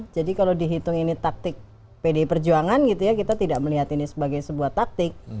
jadi kalau dihitung ini taktik pd perjuangan gitu ya kita tidak melihat ini sebagai sebuah taktik